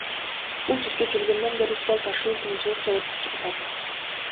Бул жерге келгенден бери стол ташуу кыйынчылык жаратып атат.